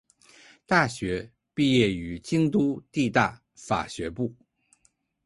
大学毕业于京都帝大法学部。